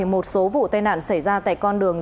một số vụ tai nạn xảy ra tại con đường